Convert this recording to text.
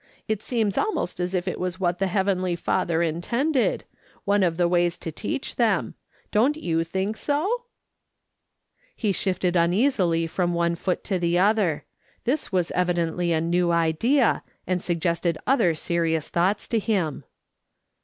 It seems almost as if it was what the Heavenly Father in tended — one of the ways to teach them. Don't you think so ?" He shifted uneasily from one foot to the other. This was evidently a new idea, and suggested other serious thoughts to him.